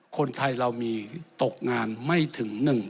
คนไทยเรามีตกงานไม่ถึง